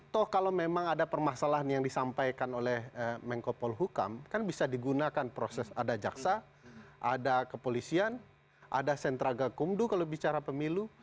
toh kalau memang ada permasalahan yang disampaikan oleh menko polhukam kan bisa digunakan proses ada jaksa ada kepolisian ada sentra gakumdu kalau bicara pemilu